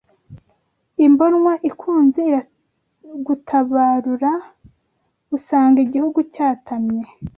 Imbonwa ikunze iragutabarura Usanga igihugu cyatamye